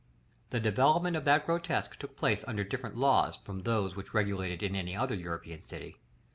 § LXXII. The developement of that grotesque took place under different laws from those which regulate it in any other European city.